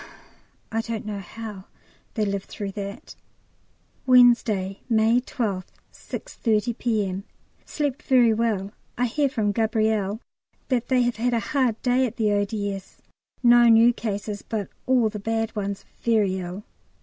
I don't know how they live through that. Wednesday, May 12th, 6.30 P.M. Slept very well. I hear from Gabrielle that they have had a hard day at the O.D.S.; no new cases, but all the bad ones very ill.